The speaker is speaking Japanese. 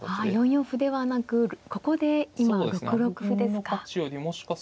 ４四歩ではなくここで今６六歩ですか。